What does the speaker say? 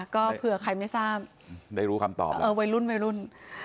ก็เผื่อใครไม่ทราบได้รู้คำตอบวัยรุ่นวัยรุ่น